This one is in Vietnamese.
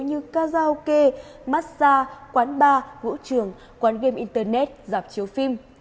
như ca giao kê massage quán bar vũ trường quán game internet dạp chiếu phim